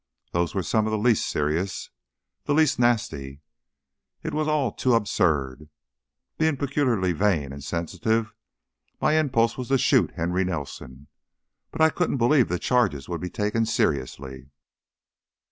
Those were some of the least serious, the least nasty. It was all too absurd! Being peculiarly vain and sensitive, my impulse was to shoot Henry Nelson. But I couldn't believe the charges would be taken seriously.